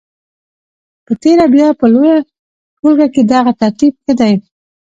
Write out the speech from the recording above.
په تېره بیا په لویه ټولګه کې دغه ترتیب ښه دی.